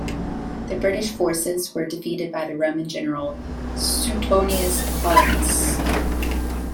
The British forces were defeated by the Roman general Suetonius Paullinus.